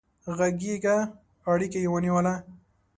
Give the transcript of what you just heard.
غږيزه اړيکه يې ونيوله